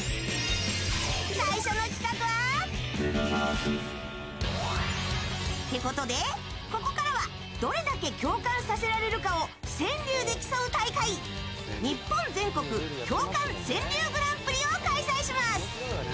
最初の企画は。ってことで、ここからはどれだけ共感させられるかを川柳で競う大会日本全国共感川柳グランプリを開催します。